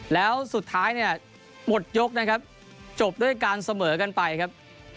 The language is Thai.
แล้วสุดท้ายเนี่ยหมดยกนะครับจบด้วยการเสมอกันไปครับ